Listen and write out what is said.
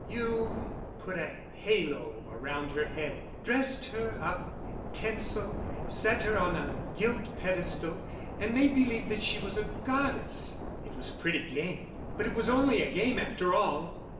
You put a halo around her head, dressed her up in tinsel, set her on a gilt pedestal, and made believe that she was a goddess. It was a pretty game, but it was only a game after all.